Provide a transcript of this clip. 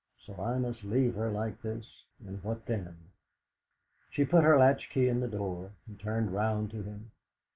o I must leave her like this, and what then?' She put her latch key in the door, and turned round to him.